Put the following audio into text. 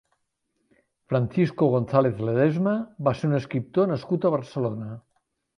Francisco González Ledesma va ser un escriptor nascut a Barcelona.